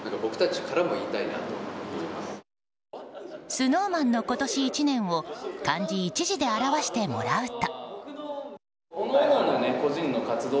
ＳｎｏｗＭａｎの今年１年を漢字１字で表してもらうと。